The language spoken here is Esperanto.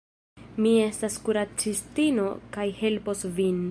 Mi estas kuracistino kaj helpos vin.